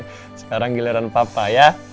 sekarang giliran papa ya